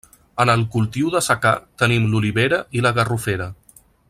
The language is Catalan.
En el cultiu de secà tenim l'olivera i la garrofera.